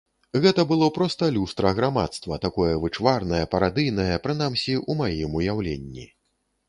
Гэта было проста люстра грамадства, такое вычварнае, парадыйнае, прынамсі, у маім уяўленні.